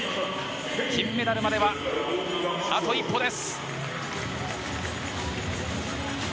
金メダルまではあと一歩です。